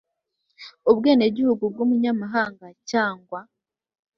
ubwenegihugu bw ubunyamahanga cyangwa